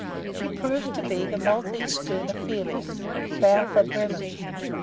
She proved to be the Maltese schooner 'Felix,' bound for Bremen.